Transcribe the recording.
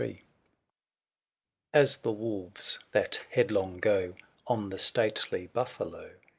xxin. As the wolves, that headlong go On the stately buffalo.